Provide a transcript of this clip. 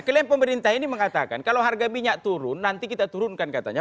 klaim pemerintah ini mengatakan kalau harga minyak turun nanti kita turunkan katanya